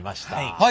はい。